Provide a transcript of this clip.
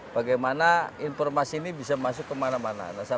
bagaimana informasi ini bisa masuk kemana mana